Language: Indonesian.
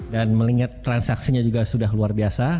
dan melingat transaksinya juga sudah luar biasa